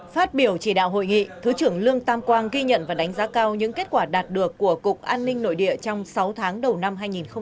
phát biểu chỉ đạo hội nghị thứ trưởng lương tam quang ghi nhận và đánh giá cao những kết quả đạt được của cục an ninh nội địa trong sáu tháng đầu năm hai nghìn hai mươi ba